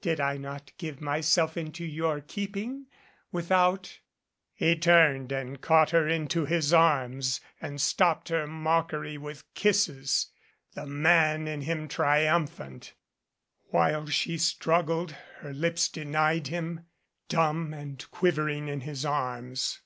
Did I not give myself into your keeping, without " He turned and caught her into his arms and stopped her mockery with kisses, the man in him triumphant, while she struggled, her lips denied him, dumb and quiv ering in his arms.